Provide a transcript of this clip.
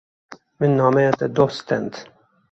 Min nameya te doh stend.